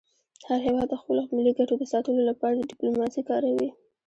هر هېواد د خپلو ملي ګټو د ساتلو لپاره ډيپلوماسي کاروي.